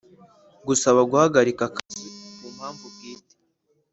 Gusaba guhagarika akazi ku mpamvu bwite